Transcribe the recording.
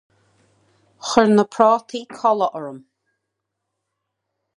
Chuir na prátaí codladh orm.